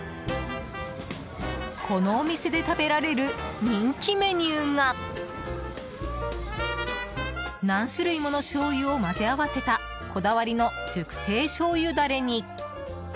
このお店で食べられる人気メニューが何種類ものしょうゆを混ぜ合わせたこだわりの熟成しょうゆダレに。